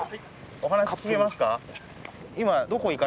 お話聞けますか？